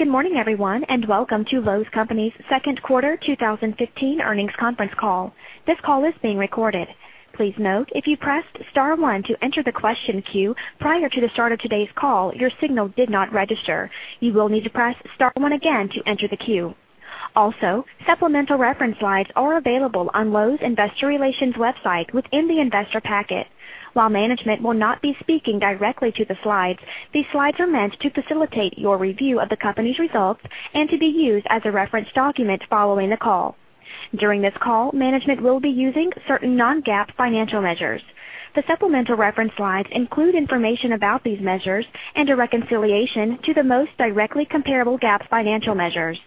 Good morning, everyone, and welcome to Lowe's Companies Second Quarter 2015 Earnings Conference Call. This call is being recorded. Please note, if you pressed star one to enter the question queue prior to the start of today's call, your signal did not register. You will need to press star one again to enter the queue. Also, supplemental reference slides are available on Lowe's Investor Relations website within the investor packet. While management will not be speaking directly to the slides, these slides are meant to facilitate your review of the company's results and to be used as a reference document following the call. During this call, management will be using certain non-GAAP financial measures. The supplemental reference slides include information about these measures and a reconciliation to the most directly comparable GAAP financial measures.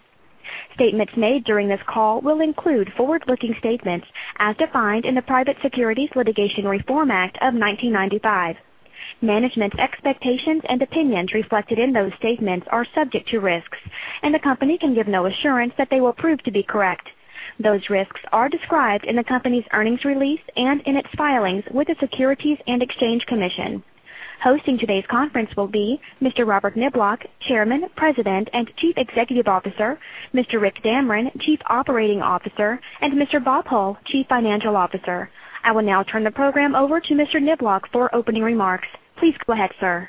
Statements made during this call will include forward-looking statements as defined in the Private Securities Litigation Reform Act of 1995. Management's expectations and opinions reflected in those statements are subject to risks, the company can give no assurance that they will prove to be correct. Those risks are described in the company's earnings release and in its filings with the Securities and Exchange Commission. Hosting today's conference will be Mr. Robert Niblock, Chairman, President, and Chief Executive Officer, Mr. Rick Damron, Chief Operating Officer, and Mr. Bob Hull, Chief Financial Officer. I will now turn the program over to Mr. Niblock for opening remarks. Please go ahead, sir.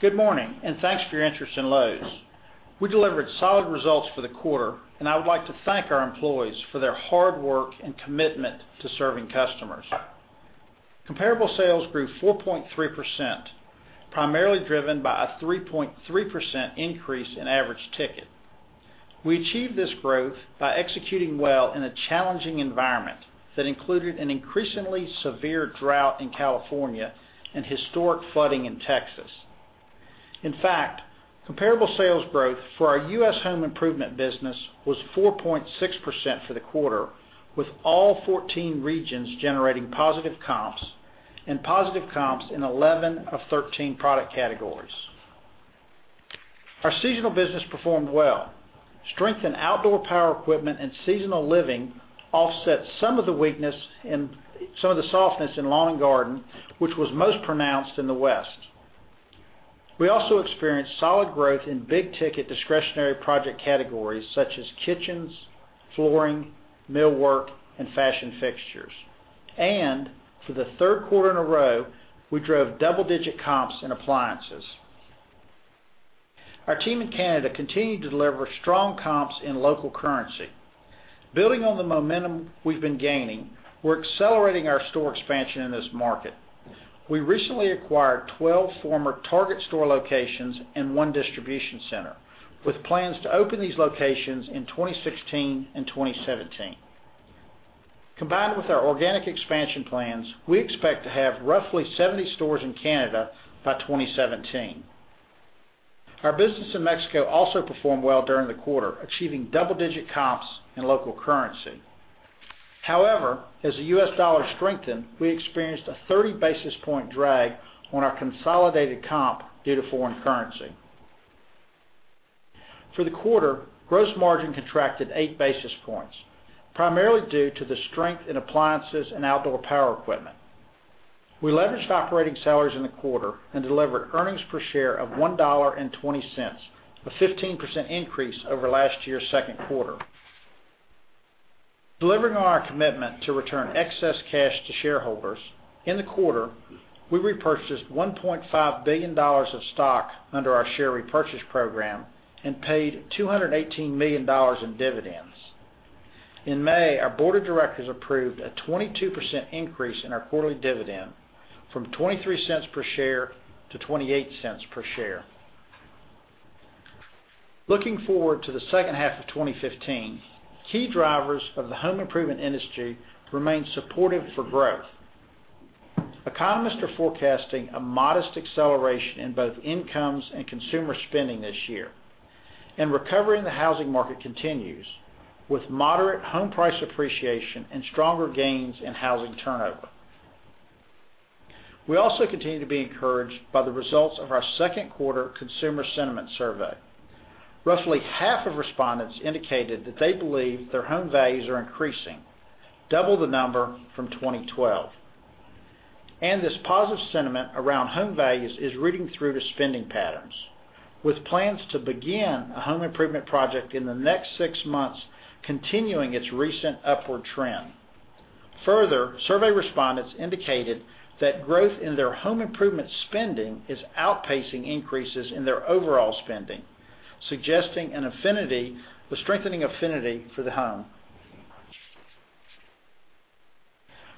Good morning, and thanks for your interest in Lowe's. We delivered solid results for the quarter, I would like to thank our employees for their hard work and commitment to serving customers. Comparable sales grew 4.3%, primarily driven by a 3.3% increase in average ticket. We achieved this growth by executing well in a challenging environment that included an increasingly severe drought in California and historic flooding in Texas. In fact, comparable sales growth for our U.S. home improvement business was 4.6% for the quarter, with all 14 regions generating positive comps and positive comps in 11 of 13 product categories. Our seasonal business performed well. Strength in outdoor power equipment and seasonal living offset some of the softness in lawn and garden, which was most pronounced in the West. We also experienced solid growth in big-ticket discretionary project categories such as kitchens, flooring, millwork, and fashion fixtures. For the third quarter in a row, we drove double-digit comps in appliances. Our team in Canada continued to deliver strong comps in local currency. Building on the momentum we've been gaining, we're accelerating our store expansion in this market. We recently acquired 12 former Target store locations and one distribution center, with plans to open these locations in 2016 and 2017. Combined with our organic expansion plans, we expect to have roughly 70 stores in Canada by 2017. Our business in Mexico also performed well during the quarter, achieving double-digit comps in local currency. However, as the U.S. dollar strengthened, we experienced a 30-basis point drag on our consolidated comp due to foreign currency. For the quarter, gross margin contracted eight basis points, primarily due to the strength in appliances and outdoor power equipment. We leveraged operating leverage in the quarter and delivered earnings per share of $1.20, a 15% increase over last year's second quarter. Delivering on our commitment to return excess cash to shareholders, in the quarter, we repurchased $1.5 billion of stock under our share repurchase program and paid $218 million in dividends. In May, our board of directors approved a 22% increase in our quarterly dividend from $0.23 per share to $0.28 per share. Looking forward to the second half of 2015, key drivers of the home improvement industry remain supportive for growth. Economists are forecasting a modest acceleration in both incomes and consumer spending this year. Recovery in the housing market continues, with moderate home price appreciation and stronger gains in housing turnover. We also continue to be encouraged by the results of our second quarter consumer sentiment survey. Roughly half of respondents indicated that they believe their home values are increasing, double the number from 2012. This positive sentiment around home values is rooting through to spending patterns, with plans to begin a home improvement project in the next six months continuing its recent upward trend. Further, survey respondents indicated that growth in their home improvement spending is outpacing increases in their overall spending, suggesting a strengthening affinity for the home.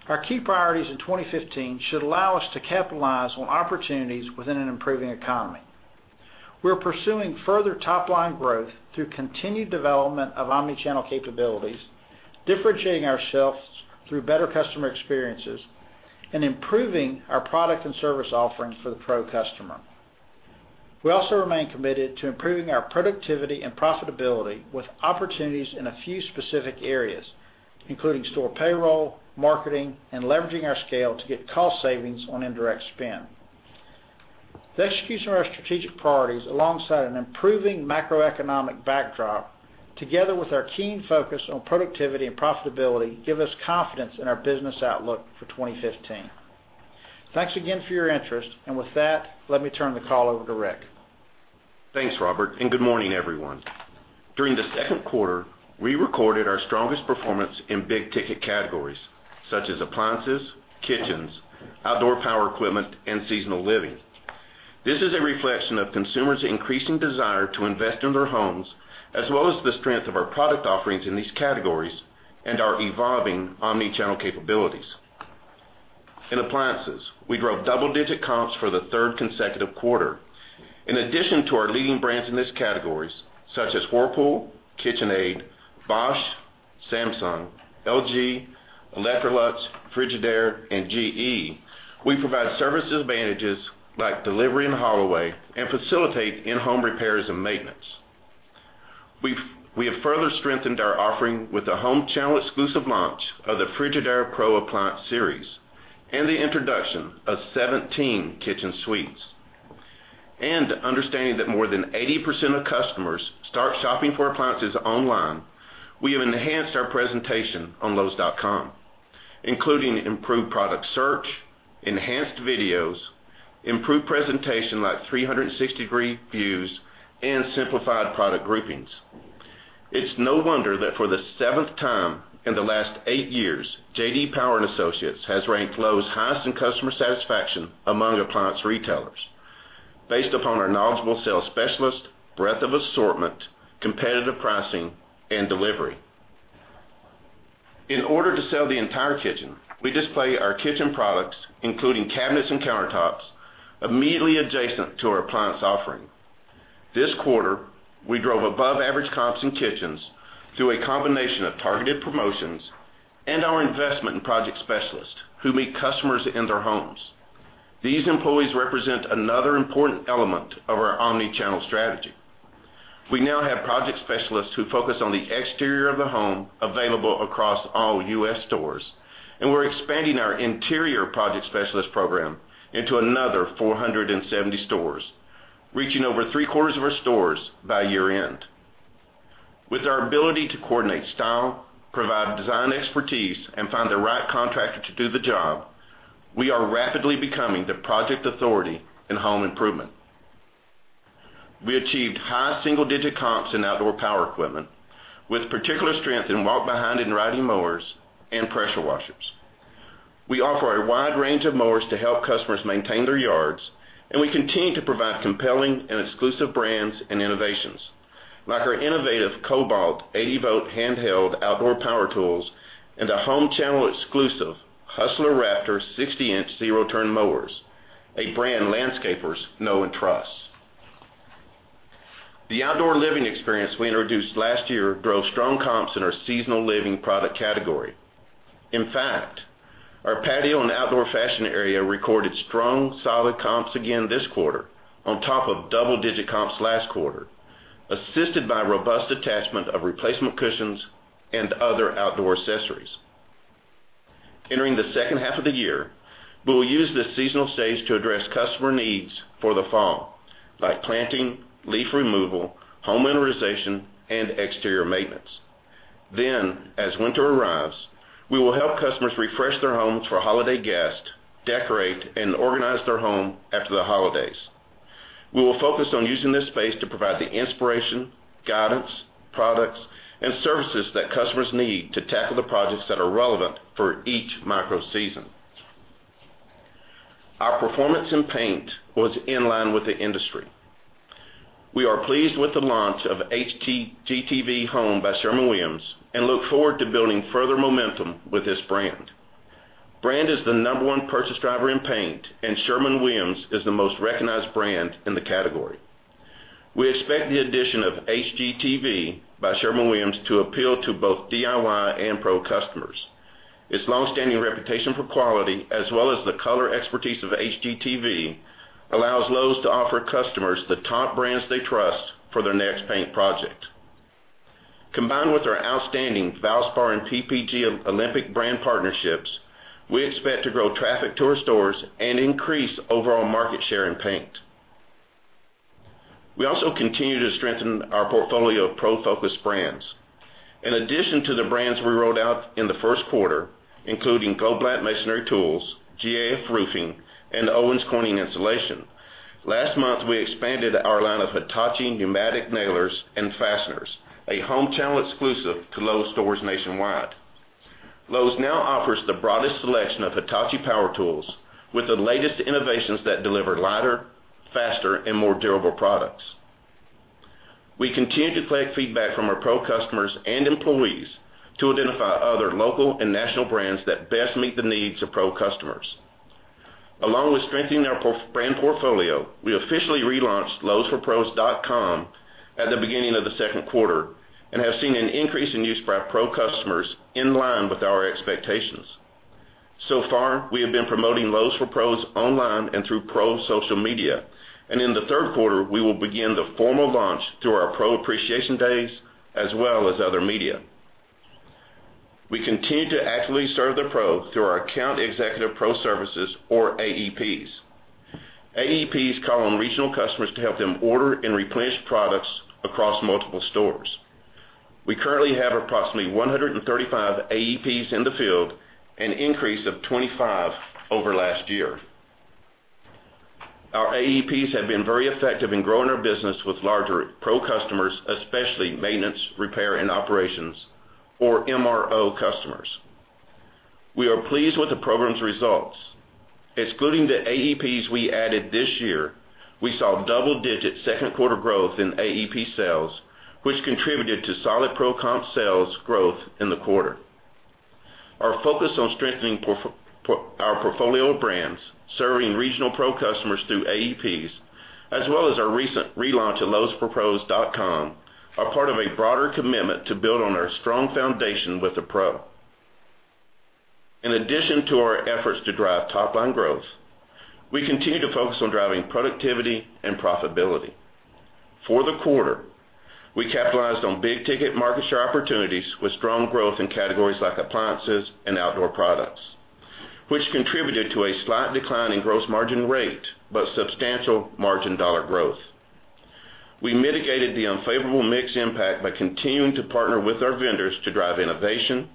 Our key priorities in 2015 should allow us to capitalize on opportunities within an improving economy. We're pursuing further top-line growth through continued development of omni-channel capabilities, differentiating ourselves through better customer experiences, and improving our product and service offerings for the Pro customer. We also remain committed to improving our productivity and profitability with opportunities in a few specific areas, including store payroll, marketing, and leveraging our scale to get cost savings on indirect spend. The execution of our strategic priorities alongside an improving macroeconomic backdrop, together with our keen focus on productivity and profitability, give us confidence in our business outlook for 2015. Thanks again for your interest. With that, let me turn the call over to Rick. Thanks, Robert. Good morning, everyone. During the second quarter, we recorded our strongest performance in big-ticket categories such as appliances, kitchens, outdoor power equipment, and seasonal living. This is a reflection of consumers' increasing desire to invest in their homes, as well as the strength of our product offerings in these categories and our evolving omni-channel capabilities. In appliances, we drove double-digit comps for the third consecutive quarter. In addition to our leading brands in these categories, such as Whirlpool, KitchenAid, Bosch, Samsung, LG, Electrolux, Frigidaire, and GE, we provide services advantages like delivery and haul-away and facilitate in-home repairs and maintenance. We have further strengthened our offering with the Home Channel exclusive launch of the Frigidaire Professional appliance series and the introduction of 17 kitchen suites. Understanding that more than 80% of customers start shopping for appliances online, we have enhanced our presentation on lowes.com, including improved product search, enhanced videos, improved presentation like 360-degree views, and simplified product groupings. It's no wonder that for the seventh time in the last eight years, J.D. Power and Associates has ranked Lowe's highest in customer satisfaction among appliance retailers based upon our knowledgeable sales specialists, breadth of assortment, competitive pricing, and delivery. In order to sell the entire kitchen, we display our kitchen products, including cabinets and countertops, immediately adjacent to our appliance offering. This quarter, we drove above-average comps in kitchens through a combination of targeted promotions and our investment in project specialists who meet customers in their homes. These employees represent another important element of our omni-channel strategy. We now have project specialists who focus on the exterior of the home available across all U.S. stores, and we're expanding our interior project specialist program into another 470 stores, reaching over three-quarters of our stores by year-end. With our ability to coordinate style, provide design expertise, and find the right contractor to do the job, we are rapidly becoming the project authority in home improvement. We achieved high single-digit comps in outdoor power equipment with particular strength in walk-behind and riding mowers and pressure washers. We offer a wide range of mowers to help customers maintain their yards, and we continue to provide compelling and exclusive brands and innovations, like our innovative Kobalt 80V handheld outdoor power tools and the Home Channel exclusive Hustler Raptor 60-inch zero-turn mowers, a brand landscapers know and trust. The outdoor living experience we introduced last year drove strong comps in our seasonal living product category. In fact, our patio and outdoor fashion area recorded strong, solid comps again this quarter on top of double-digit comps last quarter, assisted by robust attachment of replacement cushions and other outdoor accessories. Entering the second half of the year, we will use this seasonal stage to address customer needs for the fall, like planting, leaf removal, home winterization, and exterior maintenance. Then, as winter arrives, we will help customers refresh their homes for holiday guests, decorate, and organize their home after the holidays. We will focus on using this space to provide the inspiration, guidance, products, and services that customers need to tackle the projects that are relevant for each micro-season. Our performance in paint was in line with the industry. We are pleased with the launch of HGTV Home by Sherwin-Williams and look forward to building further momentum with this brand. Brand is the number one purchase driver in paint, and Sherwin-Williams is the most recognized brand in the category. We expect the addition of HGTV by Sherwin-Williams to appeal to both DIY and pro customers. Its long-standing reputation for quality, as well as the color expertise of HGTV, allows Lowe's to offer customers the top brands they trust for their next paint project. Combined with our outstanding Valspar and PPG Olympic brand partnerships, we expect to grow traffic to our stores and increase overall market share in paint. We also continue to strengthen our portfolio of pro-focused brands. In addition to the brands we rolled out in the first quarter, including Goldblatt Masonry Tools, GAF Roofing, and Owens Corning Insulation, last month, we expanded our line of Hitachi pneumatic nailers and fasteners, a Home Channel exclusive to Lowe's stores nationwide. Lowe's now offers the broadest selection of Hitachi power tools with the latest innovations that deliver lighter, faster, and more durable products. We continue to collect feedback from our pro customers and employees to identify other local and national brands that best meet the needs of pro customers. Along with strengthening our brand portfolio, we officially relaunched lowesforpros.com at the beginning of the second quarter and have seen an increase in use by our pro customers in line with our expectations. So far, we have been promoting Lowe's for Pros online and through pro social media, and in the third quarter, we will begin the formal launch through our Pro Appreciation Days as well as other media. We continue to actively serve the pro through our Account Executive Pro services or AEPs. AEPs call on regional customers to help them order and replenish products across multiple stores. We currently have approximately 135 AEPs in the field, an increase of 25 over last year. Our AEPs have been very effective in growing our business with larger pro customers, especially maintenance, repair, and operations, or MRO customers. We are pleased with the program's results. Excluding the AEPs we added this year, we saw double-digit second quarter growth in AEP sales, which contributed to solid pro comp sales growth in the quarter. Our focus on strengthening our portfolio of brands, serving regional pro customers through AEPs, as well as our recent relaunch of lowesforpros.com, are part of a broader commitment to build on our strong foundation with a pro. In addition to our efforts to drive top-line growth, we continue to focus on driving productivity and profitability. For the quarter, we capitalized on big-ticket market share opportunities with strong growth in categories like appliances and outdoor products, which contributed to a slight decline in gross margin rate, but substantial margin dollar growth. We mitigated the unfavorable mix impact by continuing to partner with our vendors to drive innovation,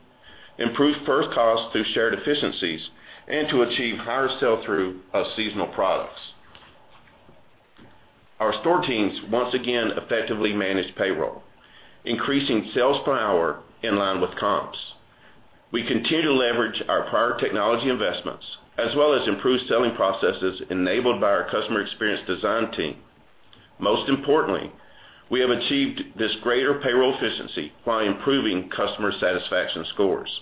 improve first cost through shared efficiencies, and to achieve higher sell-through of seasonal products. Our store teams once again effectively managed payroll, increasing sales per hour in line with comps. We continue to leverage our prior technology investments, as well as improved selling processes enabled by our customer experience design team. Most importantly, we have achieved this greater payroll efficiency while improving customer satisfaction scores.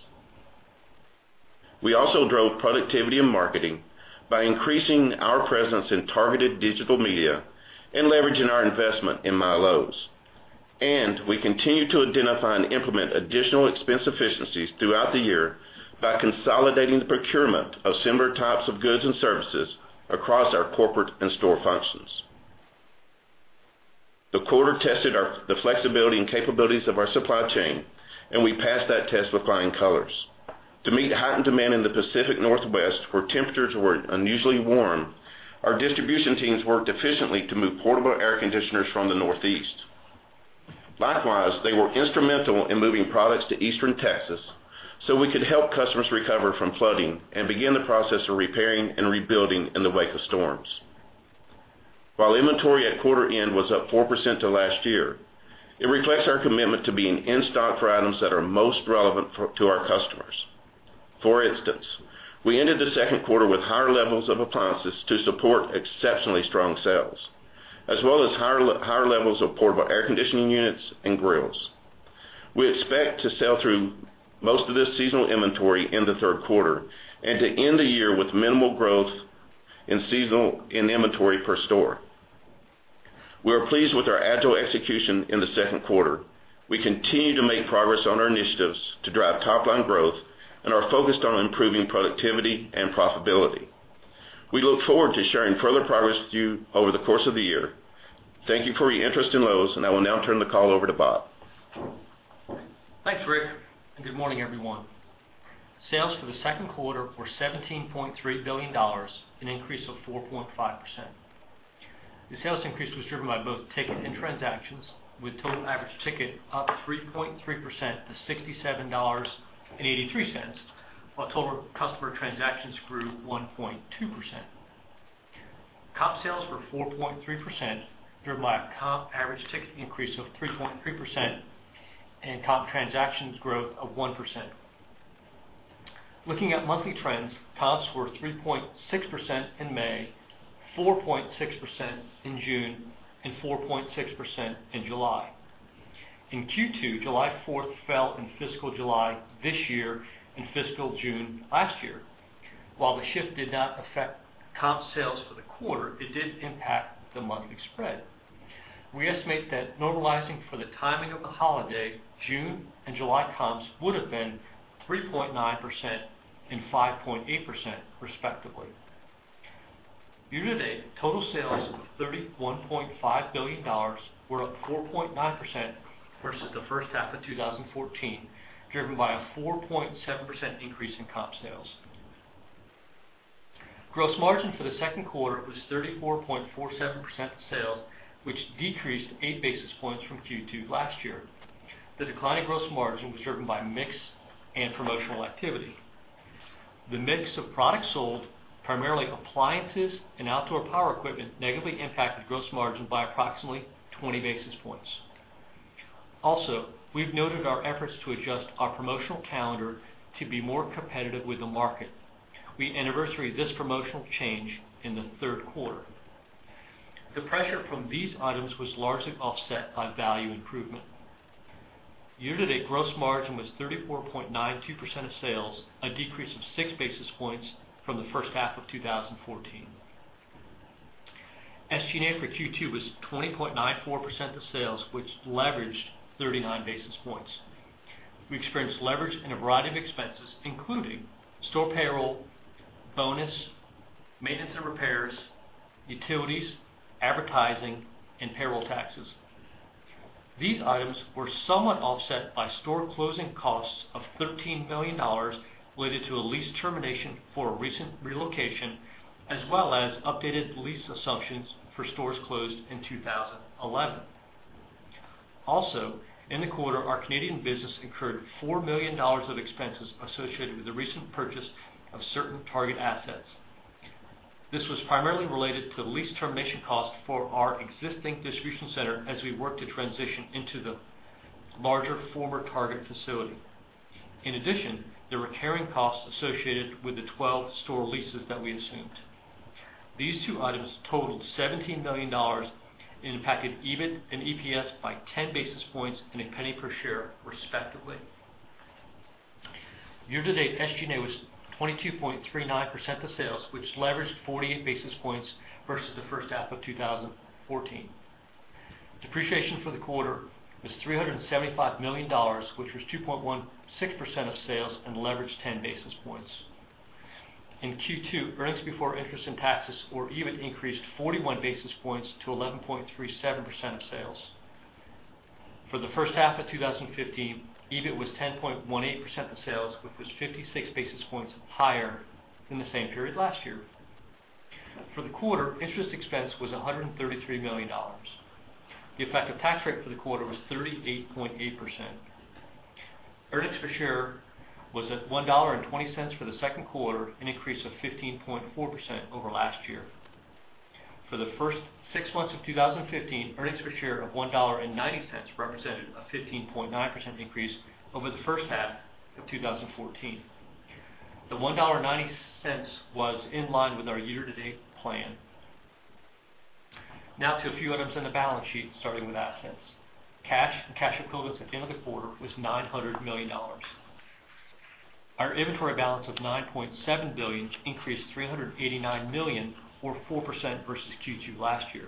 We also drove productivity in marketing by increasing our presence in targeted digital media and leveraging our investment in MyLowe's. We continue to identify and implement additional expense efficiencies throughout the year by consolidating the procurement of similar types of goods and services across our corporate and store functions. The quarter tested the flexibility and capabilities of our supply chain, and we passed that test with flying colors. To meet heightened demand in the Pacific Northwest, where temperatures were unusually warm, our distribution teams worked efficiently to move portable air conditioners from the Northeast. Likewise, they were instrumental in moving products to Eastern Texas so we could help customers recover from flooding and begin the process of repairing and rebuilding in the wake of storms. While inventory at quarter end was up 4% to last year, it reflects our commitment to being in stock for items that are most relevant to our customers. For instance, we ended the second quarter with higher levels of appliances to support exceptionally strong sales, as well as higher levels of portable air conditioning units and grills. We expect to sell through most of this seasonal inventory in the third quarter and to end the year with minimal growth in inventory per store. We are pleased with our agile execution in the second quarter. We continue to make progress on our initiatives to drive top-line growth and are focused on improving productivity and profitability. We look forward to sharing further progress with you over the course of the year. Thank you for your interest in Lowe's, and I will now turn the call over to Bob. Thanks, Rick, and good morning, everyone. Sales for the second quarter were $17.3 billion, an increase of 4.5%. The sales increase was driven by both ticket and transactions, with total average ticket up 3.3% to $67.83, while total customer transactions grew 1.2%. Comp sales were 4.3%, driven by a comp average ticket increase of 3.3% and comp transactions growth of 1%. Looking at monthly trends, comps were 3.6% in May, 4.6% in June, and 4.6% in July. In Q2, July 4th fell in fiscal July this year and fiscal June last year. While the shift did not affect comp sales for the quarter, it did impact the monthly spread. We estimate that normalizing for the timing of the holiday, June and July comps would have been 3.9% and 5.8% respectively. Year-to-date, total sales of $31.5 billion were up 4.9% versus the first half of 2014, driven by a 4.7% increase in comp sales. Gross margin for the second quarter was 34.47% of sales, which decreased eight basis points from Q2 last year. The decline in gross margin was driven by mix and promotional activity. The mix of products sold, primarily appliances and outdoor power equipment, negatively impacted gross margin by approximately 20 basis points. Also, we've noted our efforts to adjust our promotional calendar to be more competitive with the market. We anniversary this promotional change in the third quarter. The pressure from these items was largely offset by value improvement. Year-to-date gross margin was 34.92% of sales, a decrease of six basis points from the first half of 2014. SG&A for Q2 was 20.94% of sales, which leveraged 39 basis points. We experienced leverage in a variety of expenses, including store payroll, bonus, maintenance and repairs, utilities, advertising, and payroll taxes. These items were somewhat offset by store closing costs of $13 million related to a lease termination for a recent relocation, as well as updated lease assumptions for stores closed in 2011. In the quarter, our Canadian business incurred $4 million of expenses associated with the recent purchase of certain Target assets. This was primarily related to the lease termination cost for our existing distribution center as we work to transition into the larger former Target facility. The recurring costs associated with the 12 store leases that we assumed. These two items totaled $17 million and impacted EBIT and EPS by 10 basis points and $0.01 per share, respectively. Year-to-date, SG&A was 22.39% of sales, which leveraged 48 basis points versus the first half of 2014. Depreciation for the quarter was $375 million, which was 2.16% of sales and leveraged 10 basis points. In Q2, earnings before interest and taxes, or EBIT, increased 41 basis points to 11.37% of sales. For the first half of 2015, EBIT was 10.18% of sales, which was 56 basis points higher than the same period last year. For the quarter, interest expense was $133 million. The effective tax rate for the quarter was 38.8%. Earnings per share was at $1.20 for the second quarter, an increase of 15.4% over last year. For the first six months of 2015, earnings per share of $1.90 represented a 15.9% increase over the first half of 2014. The $1.90 was in line with our year-to-date plan. To a few items in the balance sheet, starting with assets. Cash and cash equivalents at the end of the quarter was $900 million. Our inventory balance of $9.7 billion increased $389 million or 4% versus Q2 last year.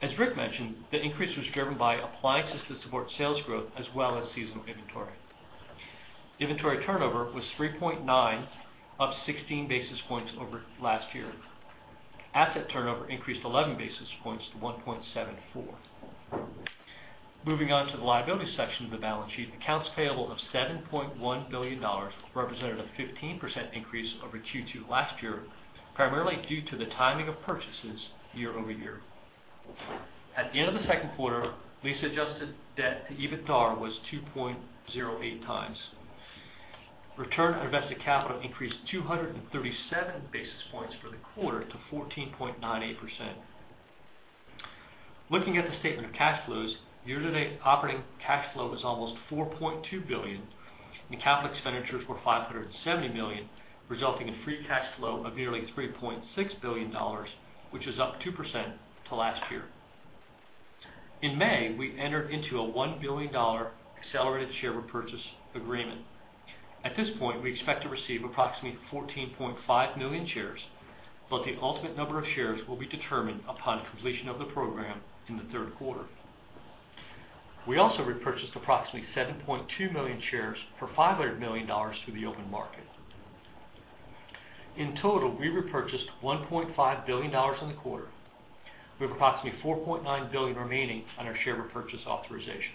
As Rick mentioned, the increase was driven by appliances to support sales growth as well as seasonal inventory. Inventory turnover was 3.9, up 16 basis points over last year. Asset turnover increased 11 basis points to 1.74. Moving on to the liability section of the balance sheet. Accounts payable of $7.1 billion represented a 15% increase over Q2 last year, primarily due to the timing of purchases year-over-year. At the end of the second quarter, lease-adjusted debt to EBITDA was 2.08 times. Return on invested capital increased 237 basis points for the quarter to 14.98%. Looking at the statement of cash flows, year-to-date operating cash flow was almost $4.2 billion and capital expenditures were $570 million, resulting in free cash flow of nearly $3.6 billion, which is up 2% to last year. In May, we entered into a $1 billion accelerated share repurchase agreement. At this point, we expect to receive approximately 14.5 million shares, but the ultimate number of shares will be determined upon completion of the program in the third quarter. We also repurchased approximately 7.2 million shares for $500 million through the open market. In total, we repurchased $1.5 billion in the quarter. We have approximately $4.9 billion remaining on our share repurchase authorization.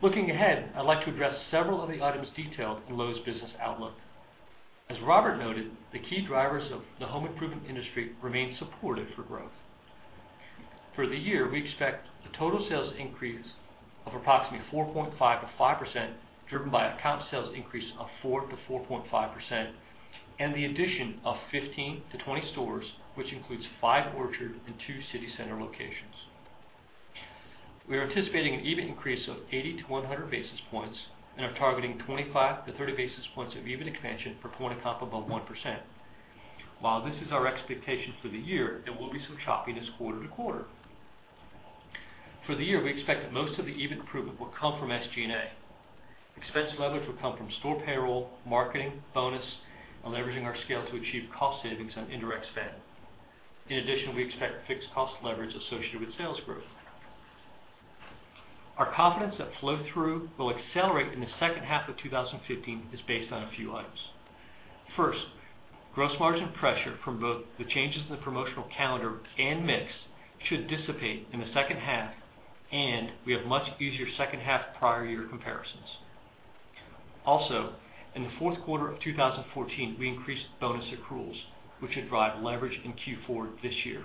Looking ahead, I'd like to address several of the items detailed in Lowe's business outlook. As Robert noted, the key drivers of the home improvement industry remain supportive for growth. For the year, we expect a total sales increase of approximately 4.5%-5%, driven by a comp sales increase of 4%-4.5%, and the addition of 15-20 stores, which includes five Orchard and two City Center locations. We are anticipating an EBIT increase of 80 to 100 basis points and are targeting 25 to 30 basis points of EBIT expansion for comp above 1%. While this is our expectation for the year, there will be some choppiness quarter to quarter. For the year, we expect that most of the EBIT improvement will come from SG&A. Expense leverage will come from store payroll, marketing, bonus, and leveraging our scale to achieve cost savings on indirect spend. In addition, we expect fixed cost leverage associated with sales growth. Our confidence that flow-through will accelerate in the second half of 2015 is based on a few items. First, gross margin pressure from both the changes in the promotional calendar and mix should dissipate in the second half, and we have much easier second half prior year comparisons. In the fourth quarter of 2014, we increased bonus accruals, which should drive leverage in Q4 this year.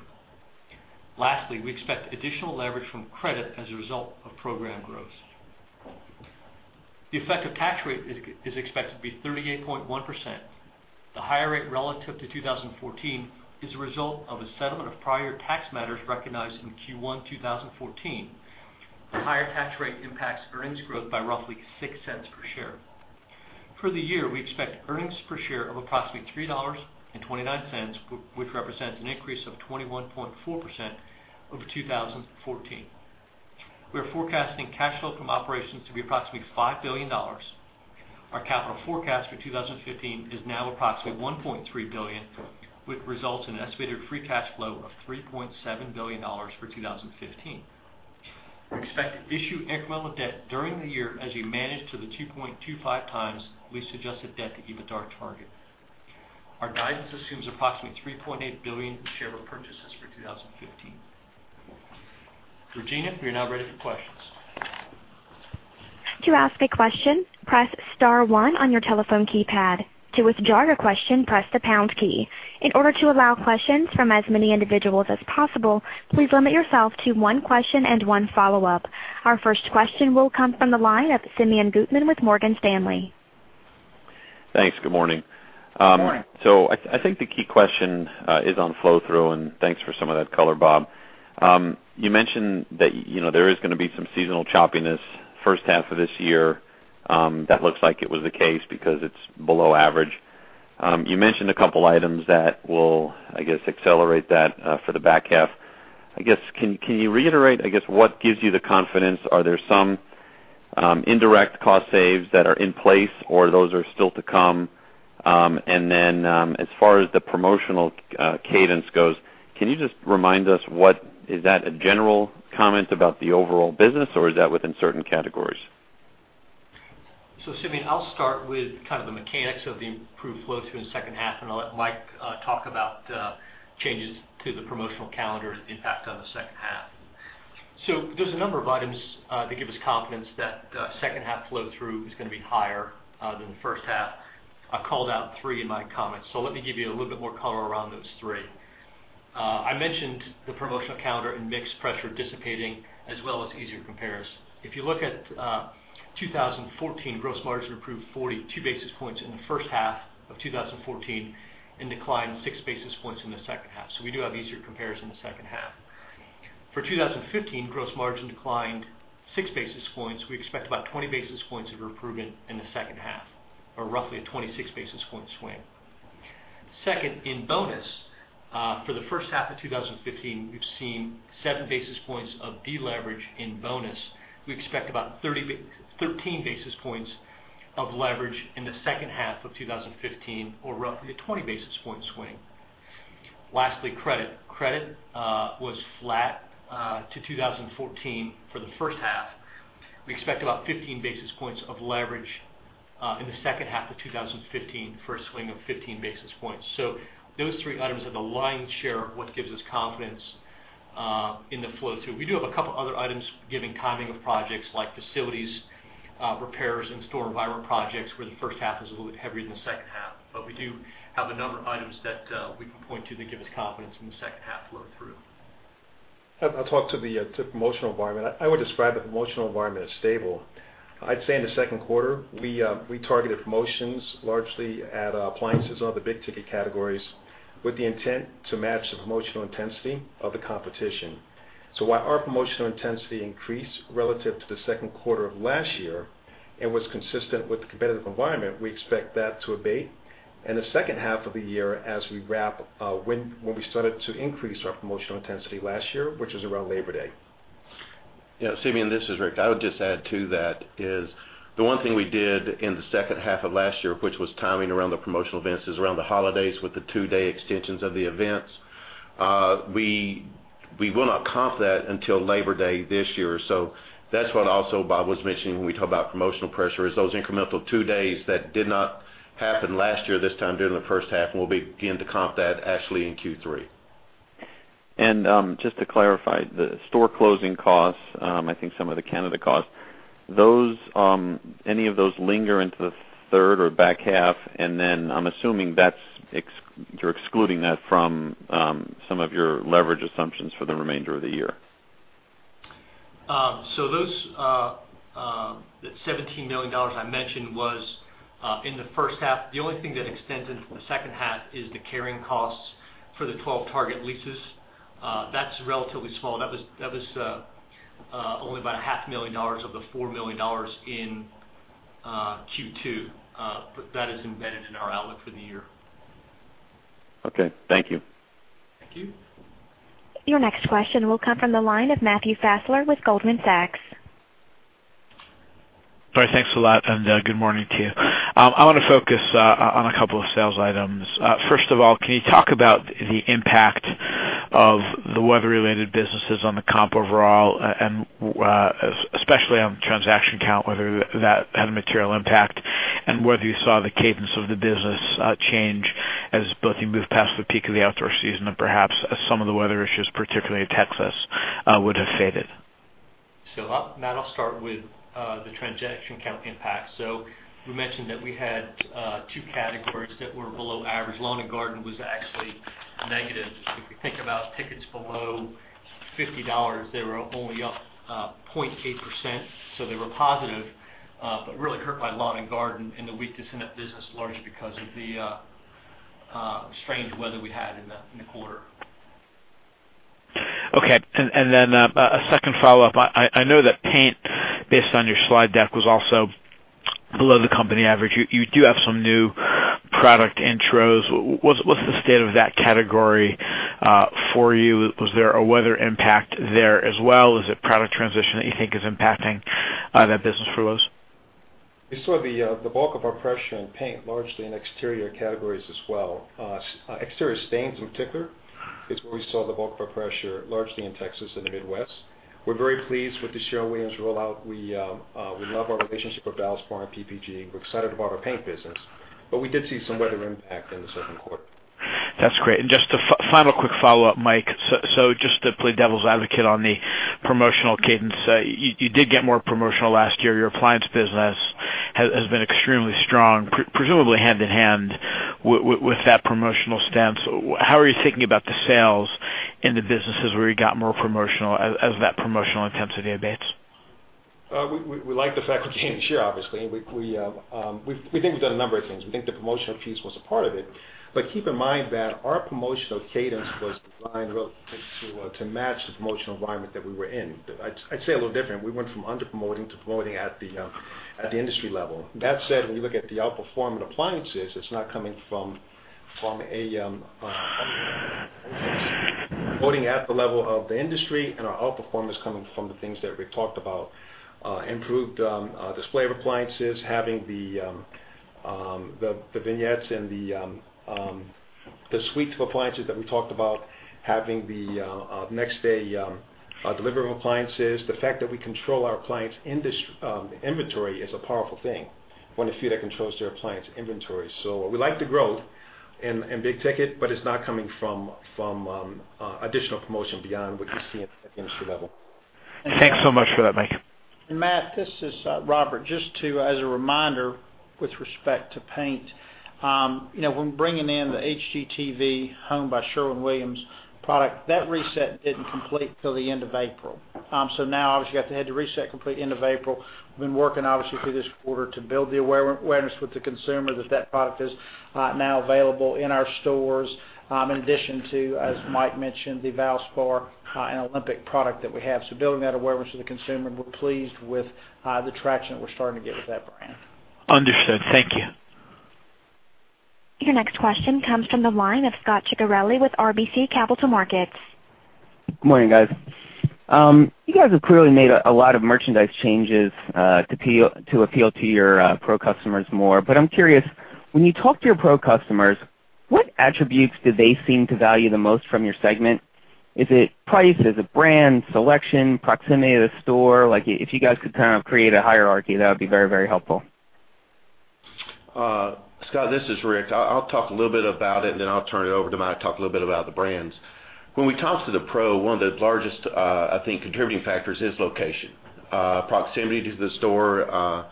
Lastly, we expect additional leverage from credit as a result of program growth. The effective tax rate is expected to be 38.1%. The higher rate relative to 2014 is a result of a settlement of prior tax matters recognized in Q1 2014. The higher tax rate impacts earnings growth by roughly $0.06 per share. For the year, we expect earnings per share of approximately $3.29, which represents an increase of 21.4% over 2014. We are forecasting cash flow from operations to be approximately $5 billion. Our capital forecast for 2015 is now approximately $1.3 billion, which results in an estimated free cash flow of $3.7 billion for 2015. We expect to issue incremental debt during the year as we manage to the 2.25 times lease-adjusted debt to EBITDA target. Our guidance assumes approximately $3.8 billion in share repurchases for 2015. Regina, we are now ready for questions. To ask a question, press star one on your telephone keypad. To withdraw your question, press the pound key. In order to allow questions from as many individuals as possible, please limit yourself to one question and one follow-up. Our first question will come from the line of Simeon Gutman with Morgan Stanley. Thanks. Good morning. Good morning. I think the key question is on flow-through, and thanks for some of that color, Bob. You mentioned that there is going to be some seasonal choppiness first half of this year. That looks like it was the case because it's below average. You mentioned a couple items that will, I guess, accelerate that for the back half. I guess, can you reiterate, I guess, what gives you the confidence? Are there some indirect cost saves that are in place, or those are still to come? And then, as far as the promotional cadence goes, can you just remind us, is that a general comment about the overall business, or is that within certain categories? Simeon, I'll start with the mechanics of the improved flow-through in the second half, and I'll let Mike talk about changes to the promotional calendar and the impact on the second half. There's a number of items that give us confidence that second half flow-through is going to be higher than the first half. I called out three in my comments. Let me give you a little bit more color around those three. I mentioned the promotional calendar and mix pressure dissipating as well as easier comparison. If you look at 2014, gross margin improved 42 basis points in the first half of 2014 and declined six basis points in the second half. We do have easier comparison in the second half. For 2015, gross margin declined six basis points. We expect about 20 basis points of improvement in the second half or roughly a 26 basis point swing. Second, in bonus. For the first half of 2015, we've seen seven basis points of deleverage in bonus. We expect about 13 basis points of leverage in the second half of 2015, or roughly a 20 basis point swing. Lastly, credit. Credit was flat to 2014 for the first half. We expect about 15 basis points of leverage in the second half of 2015 for a swing of 15 basis points. Those three items are the lion's share of what gives us confidence in the flow-through. We do have a couple other items giving timing of projects like facilities repairs and store environment projects, where the first half is a little bit heavier than the second half. We do have a number of items that we can point to that give us confidence in the second half flow-through. I'll talk to the promotional environment. I would describe the promotional environment as stable. I'd say in the second quarter, we targeted promotions largely at appliances and other big-ticket categories with the intent to match the promotional intensity of the competition. While our promotional intensity increased relative to the second quarter of last year and was consistent with the competitive environment, we expect that to abate in the second half of the year as we wrap when we started to increase our promotional intensity last year, which was around Labor Day. Yeah, Simeon, this is Rick. I would just add to that is the one thing we did in the second half of last year, which was timing around the promotional events, is around the holidays with the two-day extensions of the events. We will not comp that until Labor Day this year. That's what also Bob was mentioning when we talk about promotional pressure, is those incremental two days that did not happen last year this time during the first half, and we'll begin to comp that actually in Q3. Just to clarify, the store closing costs, I think some of the Canada costs. Any of those linger into the third or back half, I'm assuming you're excluding that from some of your leverage assumptions for the remainder of the year. Those $17 million I mentioned was in the first half. The only thing that extends into the second half is the carrying costs for the 12 Target leases. That's relatively small. That was only about a half million dollars of the $4 million in Q2. That is embedded in our outlook for the year. Okay. Thank you. Thank you. Your next question will come from the line of Matthew Fassler with Goldman Sachs. All right. Thanks a lot, and good morning to you. I want to focus on a couple of sales items. First of all, can you talk about the impact of the weather-related businesses on the comp overall and especially on transaction count, whether that had a material impact and whether you saw the cadence of the business change as both you move past the peak of the outdoor season and perhaps as some of the weather issues, particularly in Texas, would have faded? Matt, I'll start with the transaction count impact. We mentioned that we had two categories that were below average. Lawn and garden was actually negative. If you think about tickets below $50, they were only up 0.8%. They were positive but really hurt by lawn and garden and the weakness in that business, largely because of the strange weather we had in the quarter. Okay, a second follow-up. I know that paint, based on your slide deck, was also below the company average. You do have some new product intros. What's the state of that category for you? Was there a weather impact there as well? Is it product transition that you think is impacting that business for Lowe's? We saw the bulk of our pressure in paint largely in exterior categories as well. Exterior stains, in particular, is where we saw the bulk of our pressure, largely in Texas and the Midwest. We are very pleased with the Sherwin-Williams rollout. We love our relationship with Valspar and PPG. We are excited about our paint business, we did see some weather impact in the second quarter. That is great. Just a final quick follow-up, Mike. Just to play devil's advocate on the promotional cadence, you did get more promotional last year. Your appliance business has been extremely strong, presumably hand-in-hand with that promotional stance. How are you thinking about the sales in the businesses where you got more promotional as that promotional intensity abates? We like the fact that we gained share, obviously. We think we have done a number of things. We think the promotional piece was a part of it. Keep in mind that our promotional cadence was designed to match the promotional environment that we were in. I would say a little different. We went from under-promoting to promoting at the industry level. That said, when you look at the outperformance in appliances, it is not coming from under-promoting. It is promoting at the level of the industry, and our outperformance is coming from the things that we have talked about. Improved display of appliances, having the vignettes and the suites of appliances that we talked about, having the next-day delivery of appliances. The fact that we control our appliance inventory is a powerful thing. One of the few that controls their appliance inventory. We like the growth in big ticket, it is not coming from additional promotion beyond what you see at the industry level. Thanks so much for that, Mike. Matt, this is Robert. Just as a reminder with respect to paint. When bringing in the HGTV Home by Sherwin-Williams product, that reset didn't complete till the end of April. Now, obviously we had to reset complete end of April. We've been working obviously through this quarter to build the awareness with the consumer that that product is now available in our stores. In addition to, as Mike mentioned, the Valspar and Olympic product that we have. Building that awareness with the consumer, and we're pleased with the traction that we're starting to get with that brand. Understood. Thank you. Your next question comes from the line of Scot Ciccarelli with RBC Capital Markets. Good morning, guys. You guys have clearly made a lot of merchandise changes to appeal to your pro customers more. I'm curious, when you talk to your pro customers, what attributes do they seem to value the most from your segment? Is it price? Is it brand, selection, proximity to the store? If you guys could create a hierarchy, that would be very helpful. Scot, this is Rick. I'll talk a little bit about it. I'll turn it over to Mike to talk a little bit about the brands. When we talk to the pro, one of the largest contributing factors is location. Proximity to the store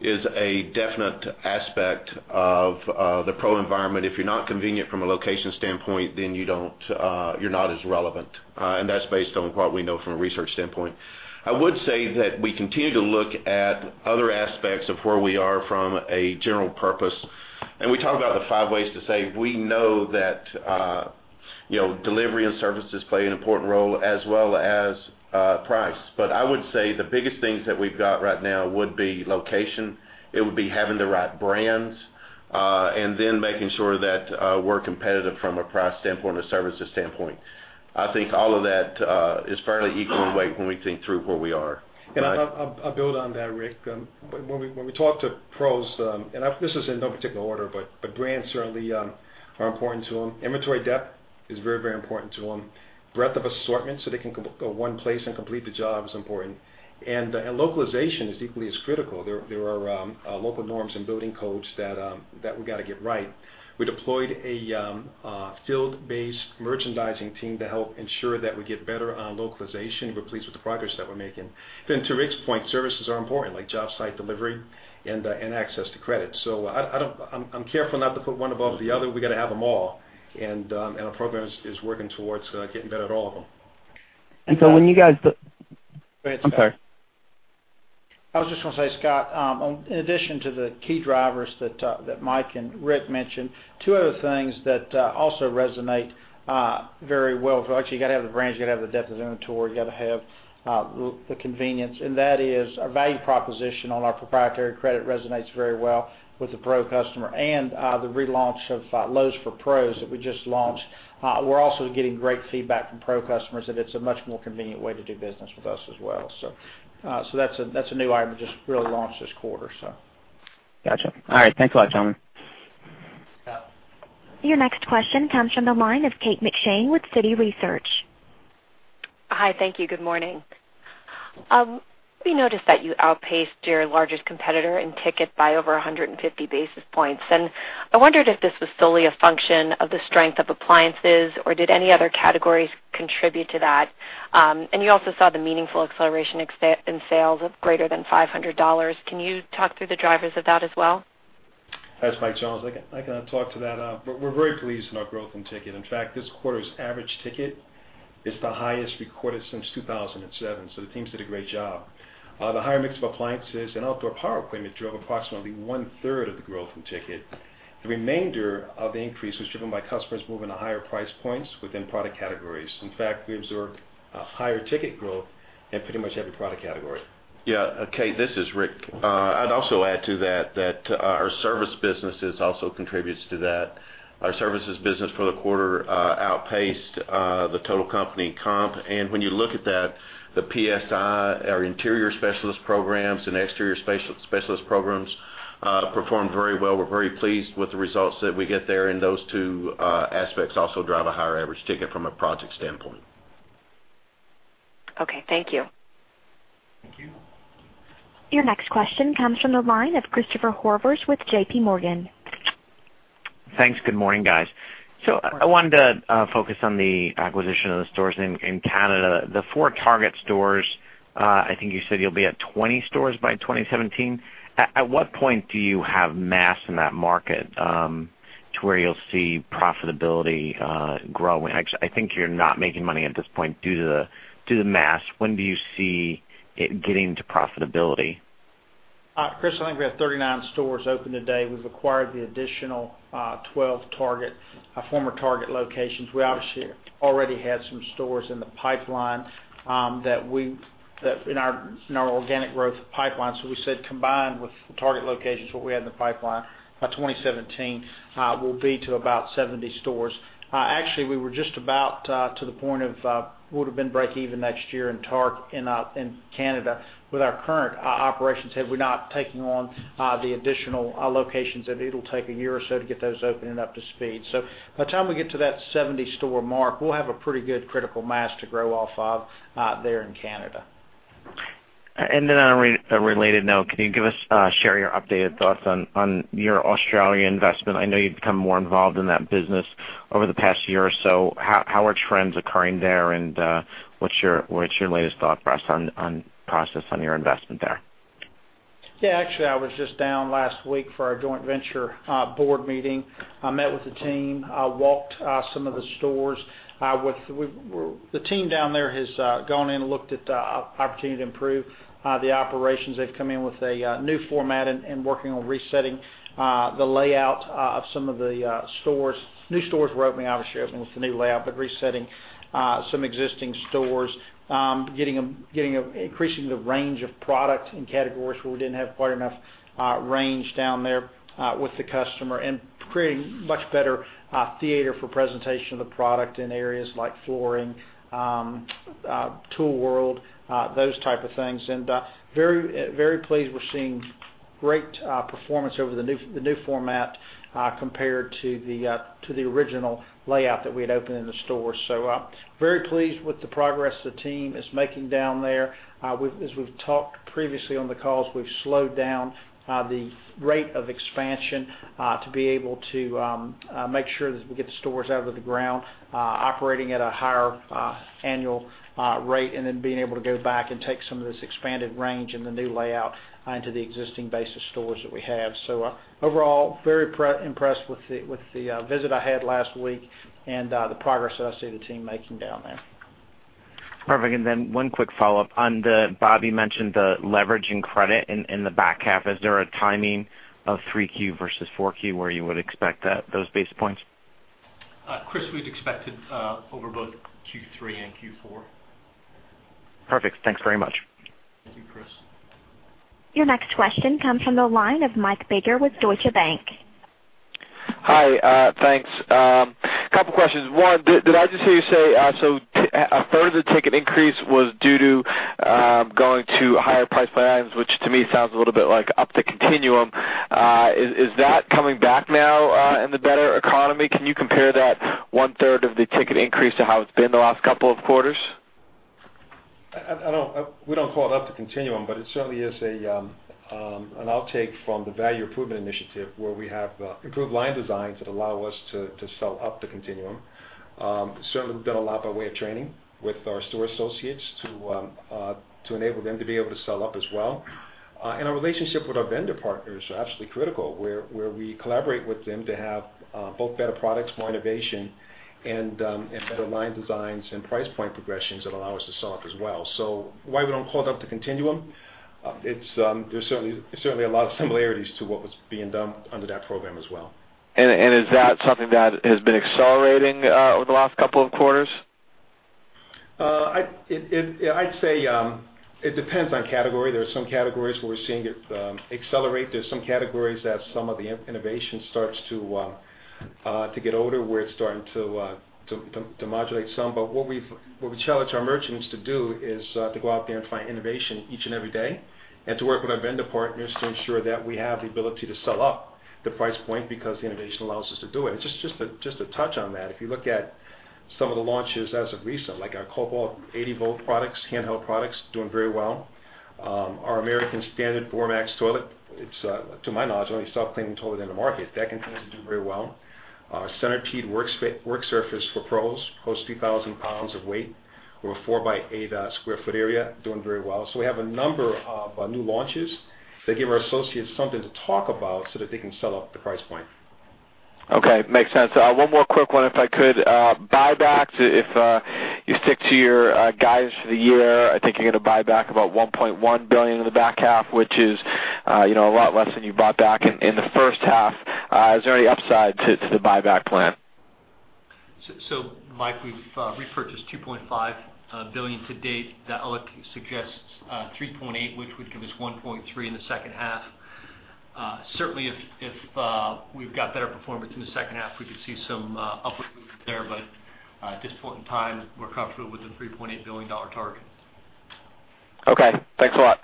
is a definite aspect of the pro environment. If you're not convenient from a location standpoint, you're not as relevant. That's based on what we know from a research standpoint. I would say that we continue to look at other aspects of where we are from a general purpose. We talk about the Five Ways to Save. We know that delivery and services play an important role as well as price. I would say the biggest things that we've got right now would be location, it would be having the right brands, making sure that we're competitive from a price standpoint or services standpoint. I think all of that is fairly equal in weight when we think through where we are. I'll build on that, Rick. When we talk to pros, this is in no particular order, brands certainly are important to them. Inventory depth is very important to them. Breadth of assortment, so they can go one place and complete the job is important. Localization is equally as critical. There are local norms and building codes that we got to get right. We deployed a field-based merchandising team to help ensure that we get better on localization. We're pleased with the progress that we're making. To Rick's point, services are important, like job site delivery and access to credit. I'm careful not to put one above the other. We got to have them all. Our program is working towards getting better at all of them. I'm sorry. I was just going to say, Scot, in addition to the key drivers that Mike and Rick mentioned, two other things that also resonate very well. Actually you got to have the brands, you got to have the depth of inventory, you got to have the convenience, and that is our value proposition on our proprietary credit resonates very well with the pro customer and the relaunch of Lowe's for Pros that we just launched. We're also getting great feedback from pro customers that it's a much more convenient way to do business with us as well. That's a new item, just really launched this quarter, so. Got you. All right. Thanks a lot, gentlemen. Scot. Your next question comes from the line of Kate McShane with Citi Research. Hi. Thank you. Good morning. We noticed that you outpaced your largest competitor in ticket by over 150 basis points. I wondered if this was solely a function of the strength of appliances, or did any other categories contribute to that? You also saw the meaningful acceleration in sales of greater than $500. Can you talk through the drivers of that as well? That's Mike Jones. I can talk to that. We're very pleased in our growth in ticket. In fact, this quarter's average ticket is the highest recorded since 2007. The teams did a great job. The higher mix of appliances and outdoor power equipment drove approximately one-third of the growth in ticket. The remainder of the increase was driven by customers moving to higher price points within product categories. In fact, we observed a higher ticket growth in pretty much every product category. Yeah. Kate, this is Rick. I'd also add to that our service businesses also contributes to that. Our services business for the quarter outpaced the total company comp. When you look at that, the PSI, our interior specialist programs and exterior specialist programs performed very well. We're very pleased with the results that we get there, and those two aspects also drive a higher average ticket from a project standpoint. Okay, thank you. Thank you. Your next question comes from the line of Christopher Horvers with JPMorgan. Thanks. Good morning, guys. I wanted to focus on the acquisition of the stores in Canada, the four Target stores. I think you said you'll be at 20 stores by 2017. At what point do you have mass in that market to where you'll see profitability growing? I think you're not making money at this point due to the mass. When do you see it getting to profitability? Chris, I think we have 39 stores open today. We've acquired the additional 12 former Target locations. We obviously already had some stores in the pipeline, in our organic growth pipeline. We said combined with the Target locations, what we had in the pipeline by 2017 will be to about 70 stores. Actually, we were just about to the point of would've been breakeven next year in Canada with our current operations, had we not taken on the additional locations, and it'll take a year or so to get those open and up to speed. By the time we get to that 70-store mark, we'll have a pretty good critical mass to grow off of there in Canada. On a related note, can you share your updated thoughts on your Australian investment? I know you've become more involved in that business over the past year or so. How are trends occurring there, and what's your latest thought process on your investment there? Actually, I was just down last week for our joint venture board meeting. I met with the team. I walked some of the stores. The team down there has gone in and looked at the opportunity to improve the operations. They've come in with a new format and working on resetting the layout of some of the stores. New stores we're opening, obviously, with the new layout, but resetting some existing stores, increasing the range of product and categories where we didn't have quite enough range down there with the customer and creating much better theater for presentation of the product in areas like flooring, tool world, those type of things. Very pleased. We're seeing great performance over the new format compared to the original layout that we had opened in the store. Very pleased with the progress the team is making down there. As we've talked previously on the calls, we've slowed down the rate of expansion to be able to make sure that we get the stores out of the ground operating at a higher annual rate, being able to go back and take some of this expanded range and the new layout into the existing base of stores that we have. Overall, very impressed with the visit I had last week and the progress that I see the team making down there. Perfect. One quick follow-up. Bobby mentioned the leveraging credit in the back half. Is there a timing of 3Q versus 4Q where you would expect those basis points? Chris, we'd expect it over both Q3 and Q4. Perfect. Thanks very much. Thank you, Chris. Your next question comes from the line of Michael Baker with Deutsche Bank. Hi. Thanks. Couple questions. One, did I just hear you say a third of the ticket increase was due to going to higher price point items, which to me sounds a little bit like up the continuum. Is that coming back now in the better economy? Can you compare that one-third of the ticket increase to how it's been the last couple of quarters? We don't call it up the continuum, but it certainly is an outtake from the Value Improvement Initiative where we have improved line designs that allow us to sell up the continuum. Certainly, we've done a lot by way of training with our store associates to enable them to be able to sell up as well. Our relationship with our vendor partners are absolutely critical, where we collaborate with them to have both better products, more innovation, and better line designs and price point progressions that allow us to sell up as well. While we don't call it up the continuum, there's certainly a lot of similarities to what was being done under that program as well. Is that something that has been accelerating over the last couple of quarters? I'd say it depends on category. There are some categories where we're seeing it accelerate. There's some categories that some of the innovation starts to get older, where it's starting to modulate some. What we've challenged our merchants to do is to go out there and find innovation each and every day and to work with our vendor partners to ensure that we have the ability to sell up the price point because the innovation allows us to do it. Just to touch on that, if you look at some of the launches as of recent, like our Kobalt 80-volt products, handheld products, doing very well. Our American Standard VorMax toilet, it's, to my knowledge, the only self-cleaning toilet in the market. That continues to do very well. Our Centipede work surface for pros, holds 3,000 pounds of weight over a four-by-eight sq ft area, doing very well. We have a number of new launches that give our associates something to talk about so that they can sell up the price point. Okay. Makes sense. One more quick one, if I could. Buybacks, if you stick to your guidance for the year, I think you're going to buy back about $1.1 billion in the back half, which is a lot less than you bought back in the first half. Is there any upside to the buyback plan? Mike, we've repurchased $2.5 billion to date. That outlook suggests $3.8 billion, which would give us $1.3 billion in the second half. Certainly, if we've got better performance in the second half, we could see some upward movement there. At this point in time, we're comfortable with the $3.8 billion target. Okay. Thanks a lot.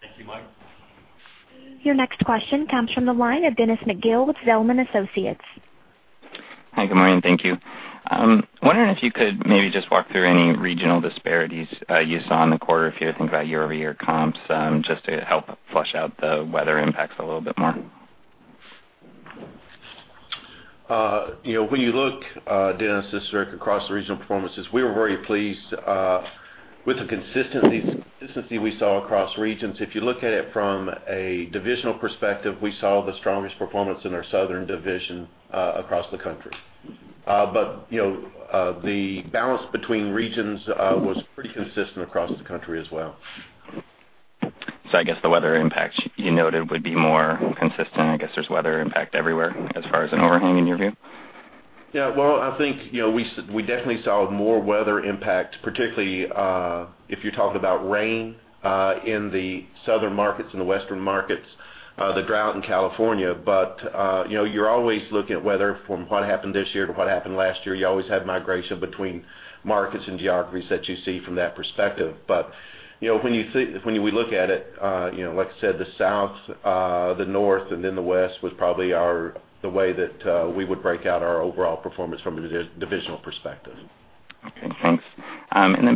Thank you, Mike. Your next question comes from the line of Dennis McGill with Zelman & Associates. Hi, good morning. Thank you. I'm wondering if you could maybe just walk through any regional disparities you saw in the quarter, if you think about year-over-year comps, just to help flush out the weather impacts a little bit more. When you look, Dennis, historically across the regional performances, we were very pleased with the consistency we saw across regions. If you look at it from a divisional perspective, we saw the strongest performance in our southern division across the country. The balance between regions was pretty consistent across the country as well. I guess the weather impacts you noted would be more consistent. I guess there's weather impact everywhere as far as an overhang in your view? Yeah. Well, I think, we definitely saw more weather impact, particularly if you're talking about rain in the southern markets and the western markets, the drought in California. You're always looking at weather from what happened this year to what happened last year. You always have migration between markets and geographies that you see from that perspective. When we look at it, like I said, the south, the north, and then the west was probably the way that we would break out our overall performance from a divisional perspective. Okay, thanks.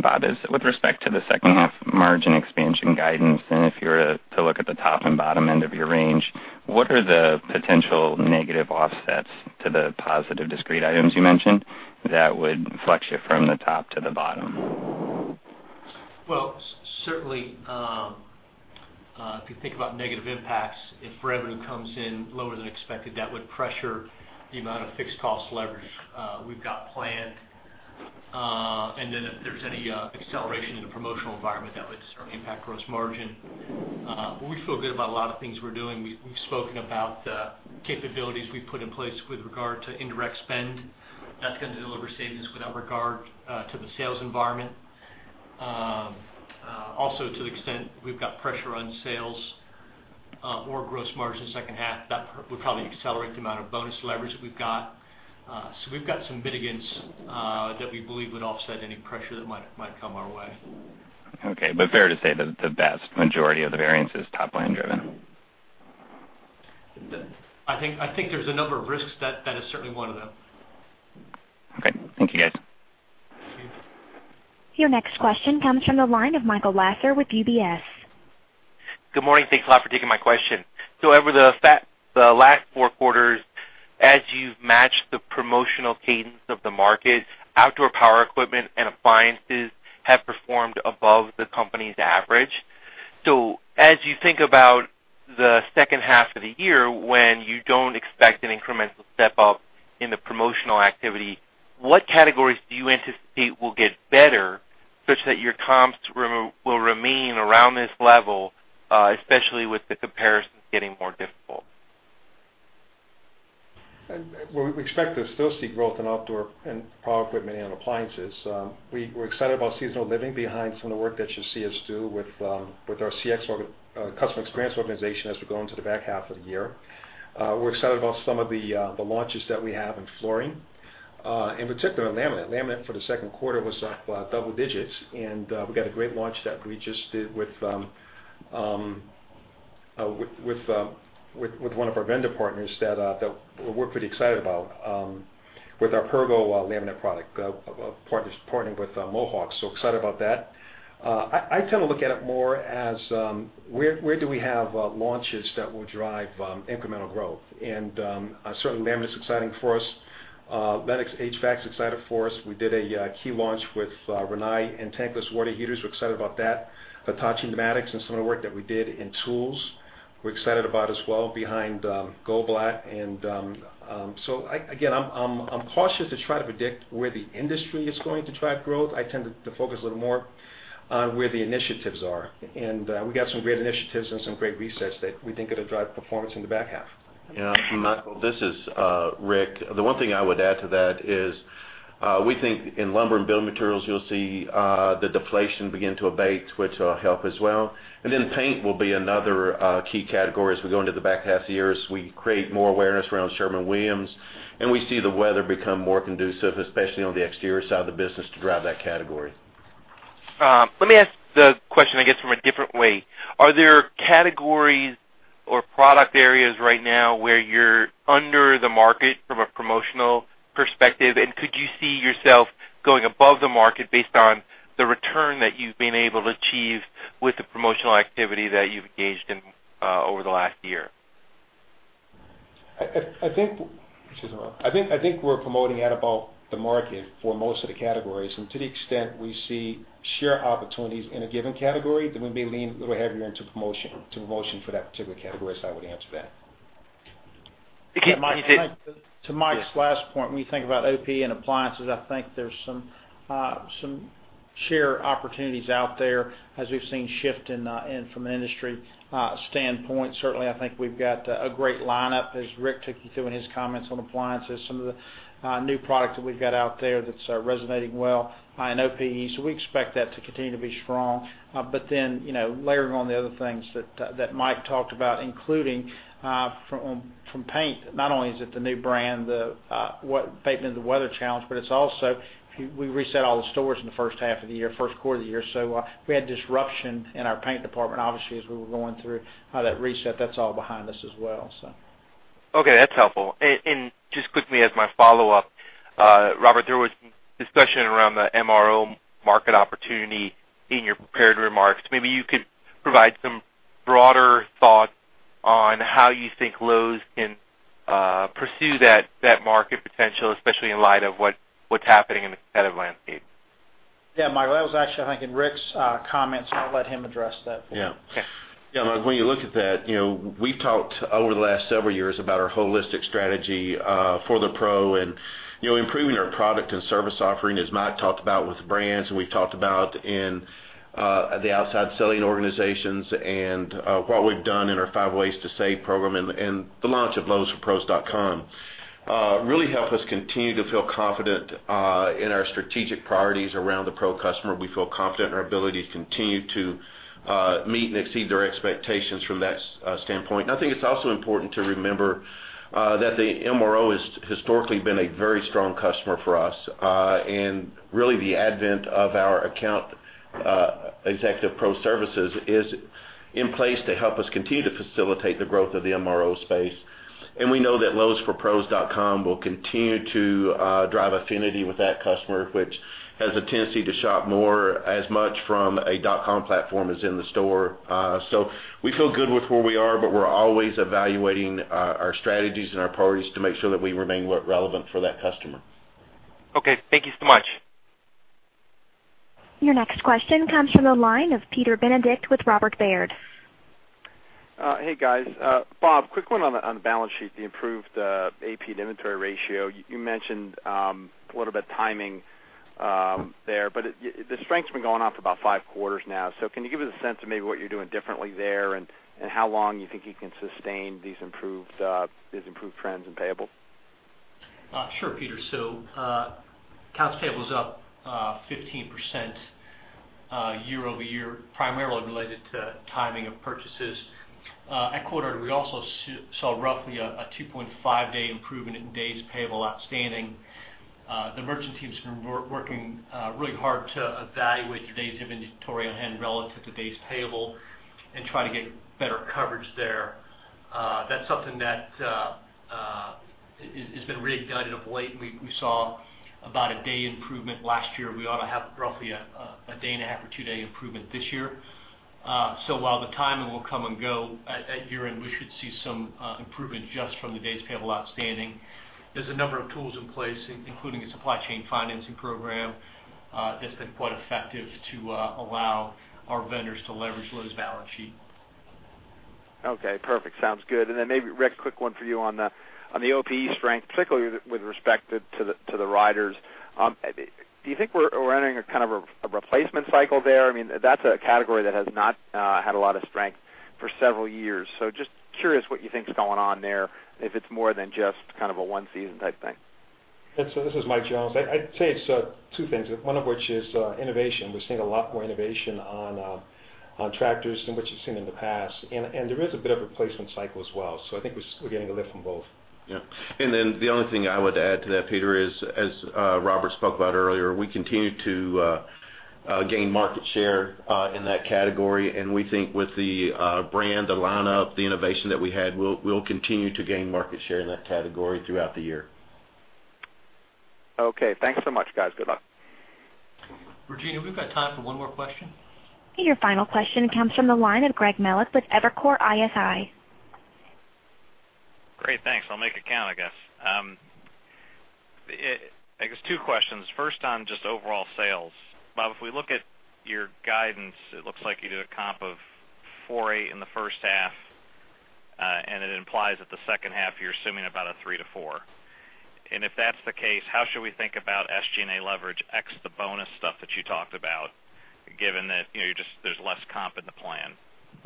Bob, with respect to the second half margin expansion guidance, if you were to look at the top and bottom end of your range, what are the potential negative offsets to the positive discrete items you mentioned that would flex you from the top to the bottom? Well, certainly, if you think about negative impacts, if revenue comes in lower than expected, that would pressure the amount of fixed cost leverage we've got planned. If there's any acceleration in the promotional environment, that would certainly impact gross margin. We feel good about a lot of things we're doing. We've spoken about the capabilities we've put in place with regard to indirect spend. That's going to deliver savings without regard to the sales environment. Also, to the extent we've got pressure on sales or gross margin second half, that would probably accelerate the amount of bonus leverage that we've got. We've got some mitigants that we believe would offset any pressure that might come our way. Okay. Fair to say that the vast majority of the variance is top-line driven. I think there's a number of risks. That is certainly one of them. Okay. Thank you, guys. Your next question comes from the line of Michael Lasser with UBS. Good morning. Thanks a lot for taking my question. Over the last four quarters, as you've matched the promotional cadence of the market, outdoor power equipment and appliances have performed above the company's average. As you think about the second half of the year when you don't expect an incremental step up in the promotional activity, what categories do you anticipate will get better such that your comps will remain around this level, especially with the comparisons getting more difficult? We expect to still see growth in outdoor and power equipment and appliances. We're excited about seasonal living behind some of the work that you'll see us do with our CX, customer experience organization, as we go into the back half of the year. We're excited about some of the launches that we have in flooring. In particular, laminate. Laminate for the second quarter was up double digits, and we've got a great launch that we just did with one of our vendor partners that we're pretty excited about with our Pergo laminate product, partnering with Mohawk. Excited about that. I tend to look at it more as where do we have launches that will drive incremental growth? Certainly laminate is exciting for us. Lennox HVAC's exciting for us. We did a key launch with Rinnai in tankless water heaters. We're excited about that. Hitachi pneumatics and some of the work that we did in tools we're excited about as well behind Go Black. Again, I'm cautious to try to predict where the industry is going to drive growth. I tend to focus a little more on where the initiatives are. We got some great initiatives and some great resets that we think are going to drive performance in the back half. Yeah. Michael, this is Rick. The one thing I would add to that is we think in lumber and building materials you'll see the deflation begin to abate, which will help as well. Paint will be another key category as we go into the back half of the year, as we create more awareness around Sherwin-Williams, and we see the weather become more conducive, especially on the exterior side of the business, to drive that category. Let me ask the question, I guess, from a different way. Are there categories or product areas right now where you're under the market from a promotional perspective? Could you see yourself going above the market based on the return that you've been able to achieve with the promotional activity that you've engaged in over the last year? I think we're promoting at about the market for most of the categories. To the extent we see share opportunities in a given category, then we lean a little heavier into promotion for that particular category. I would answer that. To Mike's last point, when you think about OPE and appliances, I think there's some share opportunities out there as we've seen shift from an industry standpoint. Certainly, I think we've got a great lineup as Rick took you through in his comments on appliances, some of the new product that we've got out there that's resonating well in OPE. We expect that to continue to be strong. Layering on the other things that Mike talked about, including from paint, not only is it the new brand, the weather challenge, but it's also we reset all the stores in the first half of the year, first quarter of the year. We had disruption in our paint department, obviously, as we were going through that reset. That's all behind us as well. Okay, that's helpful. Just quickly as my follow-up, Robert, there was discussion around the MRO market opportunity in your prepared remarks. Maybe you could provide some broader thought on how you think Lowe's can pursue that market potential, especially in light of what's happening in the competitive landscape. Yeah, Michael, that was actually, I think, in Rick's comments. I'll let him address that for you. Okay. Yeah, Mike, when you look at that, we've talked over the last several years about our holistic strategy for the pro and improving our product and service offering, as Mike talked about with brands, we've talked about in the outside selling organizations and what we've done in our Five Ways to Save program and the launch of Lowe's for Pros, really help us continue to feel confident in our strategic priorities around the pro customer. We feel confident in our ability to continue to meet and exceed their expectations from that standpoint. I think it's also important to remember that the MRO has historically been a very strong customer for us. Really the advent of our Account Executive Pro services is in place to help us continue to facilitate the growth of the MRO space. We know that Lowe's for Pros will continue to drive affinity with that customer, which has a tendency to shop more as much from a dot-com platform as in the store. We feel good with where we are, but we're always evaluating our strategies and our priorities to make sure that we remain relevant for that customer. Okay. Thank you so much. Your next question comes from the line of Peter Benedict with Robert W. Baird. Hey, guys. Bob, quick one on the balance sheet, the improved AP to inventory ratio. You mentioned a little bit timing there, but the strength's been going on for about five quarters now. Can you give us a sense of maybe what you're doing differently there and how long you think you can sustain these improved trends in payable? Sure, Peter. Accounts payable's up 15% year-over-year, primarily related to timing of purchases. At quarter, we also saw roughly a 2.5-day improvement in days payable outstanding. The merchant team's been working really hard to evaluate their days inventory on hand relative to days payable and try to get better coverage there. That's something that has been reignited of late. We saw about a day improvement last year. We ought to have roughly a day and a half or two-day improvement this year. While the timing will come and go, at year-end, we should see some improvement just from the days payable outstanding. There's a number of tools in place, including a supply chain financing program that's been quite effective to allow our vendors to leverage Lowe's balance sheet. Okay, perfect. Sounds good. Then maybe, Rick, quick one for you on the OPE strength, particularly with respect to the riders. Do you think we're entering a kind of a replacement cycle there? That's a category that has not had a lot of strength for several years. Just curious what you think is going on there, if it's more than just kind of a one-season type thing. This is Mike Jones. I'd say it's two things, one of which is innovation. We're seeing a lot more innovation on tractors than what you've seen in the past. There is a bit of a replacement cycle as well. I think we're getting a lift from both. Yeah. The only thing I would add to that, Peter, is as Robert spoke about earlier, we continue to gain market share in that category, and we think with the brand, the lineup, the innovation that we had, we'll continue to gain market share in that category throughout the year. Okay. Thanks so much, guys. Good luck. Regina, we've got time for one more question. Your final question comes from the line of Greg Melich with Evercore ISI. Great. Thanks. I'll make it count, I guess. I guess two questions. First, on just overall sales. Bob, if we look at your guidance, it looks like you did a comp of 4.8 in the first half, it implies that the second half you're assuming about a three to four. If that's the case, how should we think about SG&A leverage ex the bonus stuff that you talked about, given that there's less comp in the plan.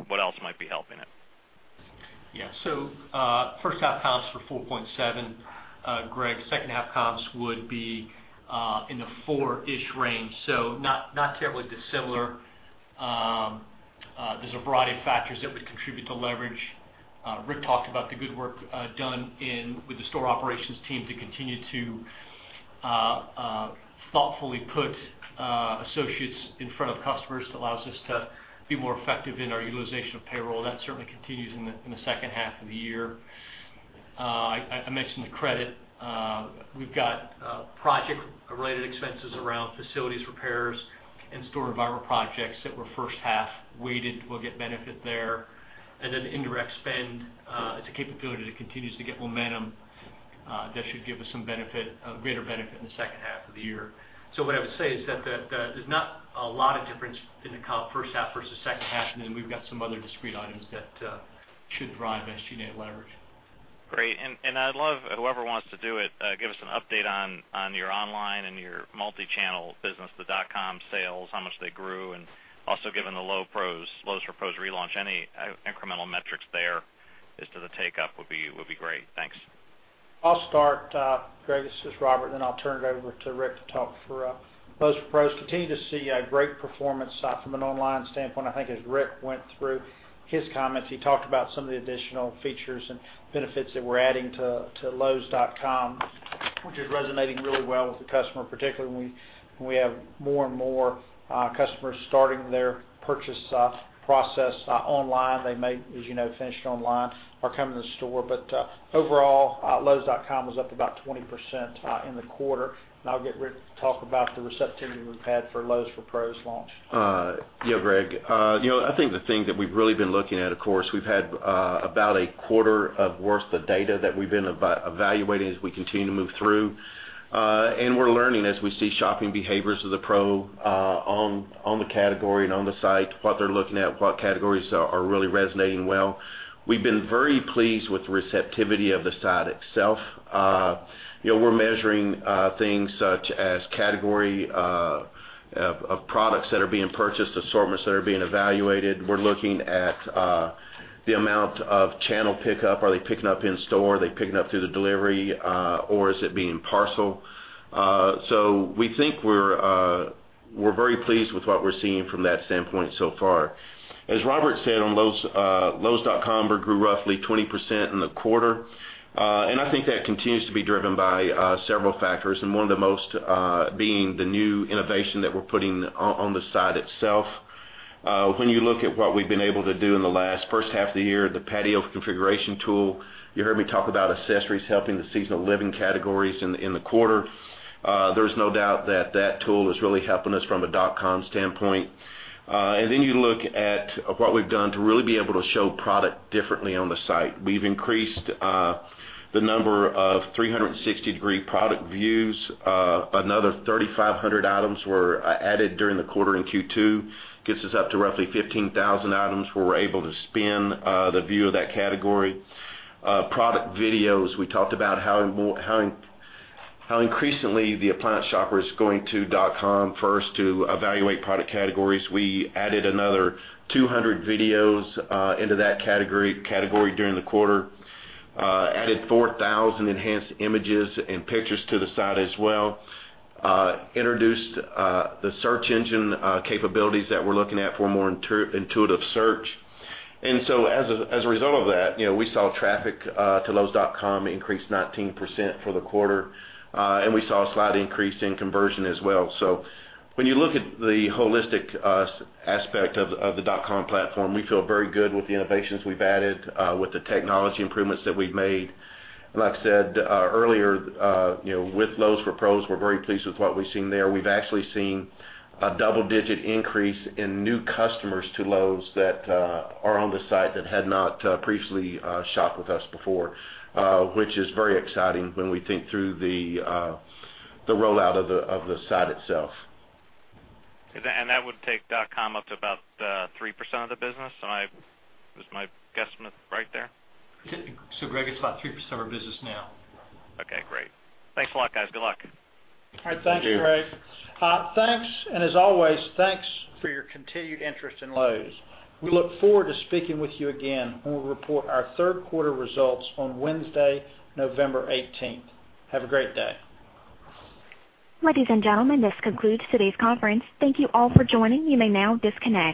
What else might be helping it? First half comps were 4.7, Greg. Second half comps would be in the four-ish range, not terribly dissimilar. There's a variety of factors that would contribute to leverage. Rick talked about the good work done with the store operations team to continue to thoughtfully put associates in front of customers that allows us to be more effective in our utilization of payroll. That certainly continues in the second half of the year. I mentioned the credit. We've got project-related expenses around facilities repairs and store environment projects that were first half weighted. We'll get benefit there. Then indirect spend, it's a capability that continues to get momentum that should give us some greater benefit in the second half of the year. What I would say is that there's not a lot of difference in the comp first half versus second half, we've got some other discrete items that should drive SG&A leverage. Great. I'd love, whoever wants to do it, give us an update on your online and your multichannel business, the dotcom sales, how much they grew, also given the Lowe's for Pros relaunch, any incremental metrics there as to the take-up would be great. Thanks. I'll start, Greg. This is Robert. I'll turn it over to Rick to talk. Lowe's for Pros continue to see a great performance from an online standpoint. I think as Rick went through his comments, he talked about some of the additional features and benefits that we're adding to lowes.com Which is resonating really well with the customer, particularly when we have more and more customers starting their purchase process online. They may, as you know, finish it online or come to the store. Overall, lowes.com was up about 20% in the quarter. I'll get Rick to talk about the receptivity we've had for Lowe's for Pros launch. Yeah, Greg. I think the thing that we've really been looking at, of course, we've had about a quarter of worth of data that we've been evaluating as we continue to move through. We're learning as we see shopping behaviors of the pro on the category and on the site, what they're looking at, what categories are really resonating well. We've been very pleased with the receptivity of the site itself. We're measuring things such as category of products that are being purchased, assortments that are being evaluated. We're looking at the amount of channel pickup. Are they picking up in store? Are they picking up through the delivery? Or is it being parcel? We think we're very pleased with what we're seeing from that standpoint so far. As Robert said, on lowes.com, we grew roughly 20% in the quarter. I think that continues to be driven by several factors, and one of the most being the new innovation that we're putting on the site itself. When you look at what we've been able to do in the last first half of the year, the patio configuration tool, you heard me talk about accessories helping the seasonal living categories in the quarter. There's no doubt that that tool is really helping us from a .com standpoint. Then you look at what we've done to really be able to show product differently on the site. We've increased the number of 360-degree product views. Another 3,500 items were added during the quarter in Q2. Gets us up to roughly 15,000 items where we're able to spin the view of that category. Product videos, we talked about how increasingly the appliance shopper is going to .com first to evaluate product categories. We added another 200 videos into that category during the quarter. Added 4,000 enhanced images and pictures to the site as well. Introduced the search engine capabilities that we're looking at for a more intuitive search. As a result of that, we saw traffic to lowes.com increase 19% for the quarter. We saw a slight increase in conversion as well. When you look at the holistic aspect of the .com platform, we feel very good with the innovations we've added, with the technology improvements that we've made. Like I said earlier, with Lowe's for Pros, we're very pleased with what we've seen there. We've actually seen a double-digit increase in new customers to Lowe's that are on the site that had not previously shopped with us before, which is very exciting when we think through the rollout of the site itself. That would take .com up to about 3% of the business? Is my guesstimate right there? Greg, it's about 3% of our business now. Okay, great. Thanks a lot, guys. Good luck. All right. Thanks, Greg. You too. Thanks. As always, thanks for your continued interest in Lowe's. We look forward to speaking with you again when we report our third quarter results on Wednesday, November 18th. Have a great day. Ladies and gentlemen, this concludes today's conference. Thank you all for joining. You may now disconnect.